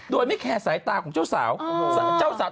โดยไม่แคร์สายตาของเจ้าสาว